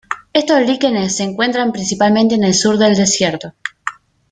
Estos líquenes se encuentran principalmente en el sur del desierto.